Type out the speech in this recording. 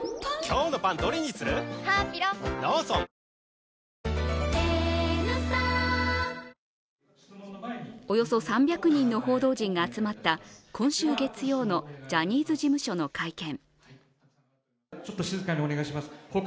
ニトリおよそ３００人の報道陣が集まった今週月曜のジャニーズ事務所の会見。